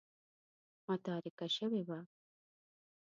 متارکه شوې وه.